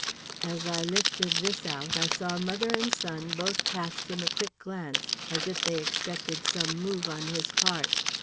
As I lifted this out, I saw mother and son both cast him a quick glance, as if they expected some move on his part.